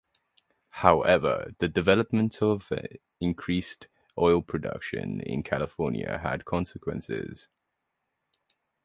However, the development of increased oil production in California had consequences.